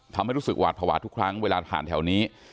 ทำให้รู้สึกหวาดภาวะทุกครั้งเวลาผ่านแถวนี้